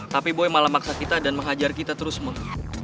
tapi boy malah maksa kita dan menghajar kita terus meng